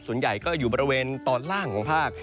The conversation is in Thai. ส่วนใหญ่ก็อยู่บริเวณตอนล่างของภาค